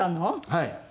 はい。